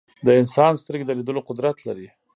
د انسان سترګې د لیدلو قدرت لري.